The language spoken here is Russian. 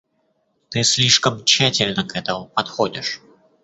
Ты слишком тщательно к этому подходишь.